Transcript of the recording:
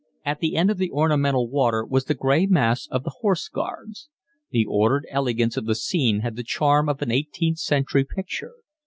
At the end of the ornamental water was the gray mass of the Horse Guards. The ordered elegance of the scene had the charm of an eighteenth century picture.